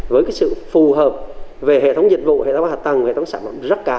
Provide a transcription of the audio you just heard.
với sự phù hợp về hệ thống dịch vụ hệ thống hạ tầng hệ thống sản phẩm rất cao